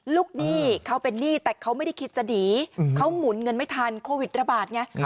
หนี้เขาเป็นหนี้แต่เขาไม่ได้คิดจะหนีเขาหมุนเงินไม่ทันโควิดระบาดไง